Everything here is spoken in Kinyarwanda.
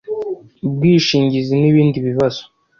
ubwishingizi n’ibindi bibazo